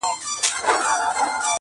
• ګیدړ ږغ کړه ویل زرکي دورغجني -